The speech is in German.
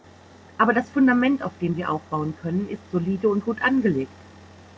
Aber das Fundament, auf dem wir aufbauen können, ist solide und gut angelegt.